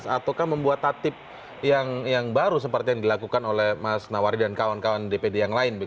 ataukah membuat tatip yang baru seperti yang dilakukan oleh mas nawari dan kawan kawan dpd yang lain